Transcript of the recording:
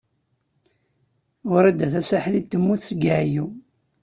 Wrida Tasaḥlit temmut seg ɛeyyu.